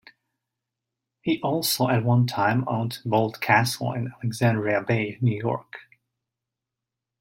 He also at one time owned Boldt Castle in Alexandria Bay New York.